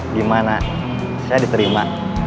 gimana saya diterima